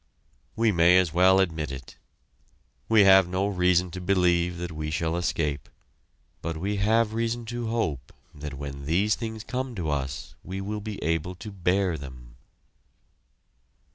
We may as well admit it. We have no reason to believe that we shall escape, but we have reason to hope that when these things come to us we will be able to bear them.